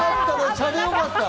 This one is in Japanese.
茶でよかった！